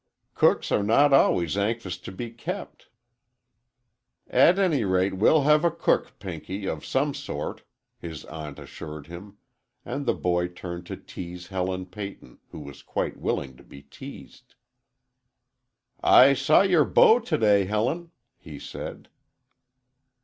"Cooks are not always anxious to be kept." "At any rate, we'll have a cook, Pinky, of some sort," his aunt assured him, and the boy turned to tease Helen Peyton, who was quite willing to be teased. "I saw your beau today, Helen," he said.